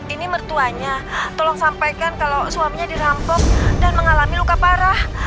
ini mertuanya tolong sampaikan kalau suaminya dirampok dan mengalami luka parah